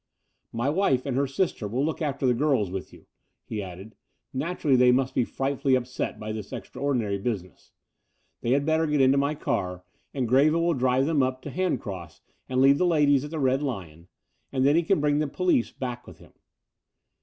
"My wife and her sister will look after the girls with you," he added. "Naturally they must be frightfully upset by this extraordinary business. They had better get into my car, and Greville will drive them up to Handcross and leave the ladies at the Red Lion ; and then he can bring the police back with him."